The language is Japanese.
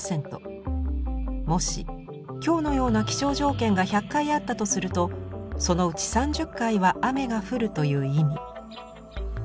もし今日のような気象条件が１００回あったとするとそのうち３０回は雨が降るという意味。